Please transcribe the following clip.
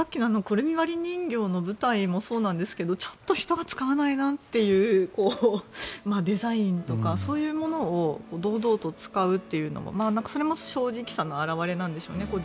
「くるみ割り人形」の舞台もそうなんですけどちょっと人が使わないなというデザインとかそういうものを堂々と使うのも正直さの表れなんでしょうね。